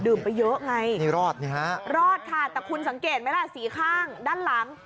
ดื่มไปเยอะไงรอดค่ะแต่คุณสังเกตไหมล่ะสีข้างด้านหลัง